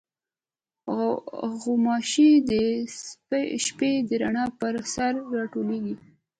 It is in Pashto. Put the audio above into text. غوماشې د شپې د رڼا پر سر راټولېږي.